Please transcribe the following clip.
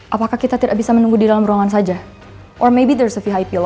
apakah kita tidak bisa menunggu di dalam ruangan saja atau mungkin ada vhip yang dikeluarkan di sini